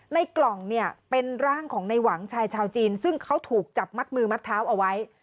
กล่องเนี่ยเป็นร่างของในหวังชายชาวจีนซึ่งเขาถูกจับมัดมือมัดเท้าเอาไว้